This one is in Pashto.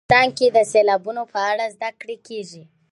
افغانستان کې د سیلابونه په اړه زده کړه کېږي.